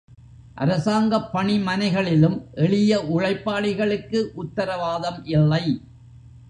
அரசாங்கப் பணிமனைகளிலும் எளிய உழைப்பாளிகளுக்கு உத்தரவாதம் இல்லை.